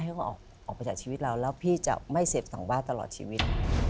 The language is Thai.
ว่าออกไปจากชีวิตเราแล้วพี่จะไม่เสพสังวาดตลอดชีวิต